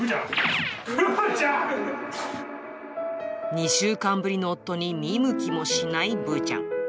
２週間ぶりの夫に見向きもしないぶーちゃん。